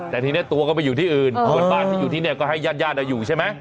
แต่ทีนี้ตัวก็ไปอยู่ที่อื่นบ้านที่อยู่ที่นี่ก็ให้ญาติอยู่ใช่ไหม